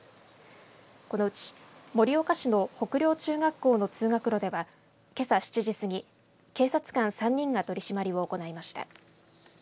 このうち盛岡市の北陵中学校の通学路ではけさ７時過ぎ警察官３人が取締りを行いました。